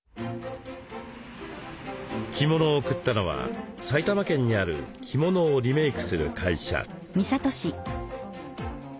着物を送ったのは埼玉県にある着物をリメイクする会社。